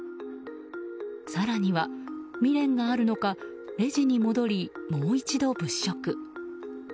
更には未練があるのかレジに戻りもう一度、物色。